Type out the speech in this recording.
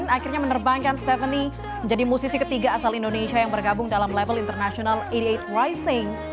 akhirnya menerbangkan stephanie menjadi musisi ketiga asal indonesia yang bergabung dalam level internasional delapan puluh delapan rising